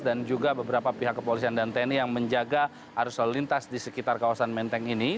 dan juga beberapa pihak kepolisian dan tni yang menjaga arus lalu lintas di sekitar kawasan menteng ini